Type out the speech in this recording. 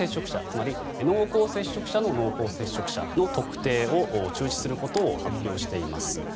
つまり濃厚接触者の濃厚接触者の特定を中止することを発表しています。